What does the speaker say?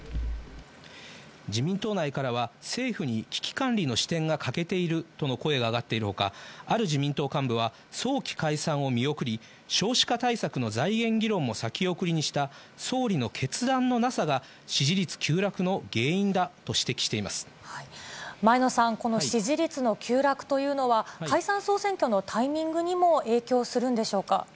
自民党内からは、政府に危機管理の視点が欠けているとの声が上がっているほか、ある自民党幹部は早期解散を見送り、少子化対策の財源議論も先送りにした総理の決断のなさが、支持率前野さん、この支持率の急落というのは、解散・総選挙のタイミングにも影響するんでしょうか。